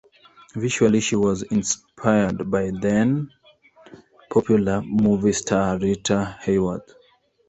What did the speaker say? Visually she was inspired by the then popular movie star Rita Hayworth.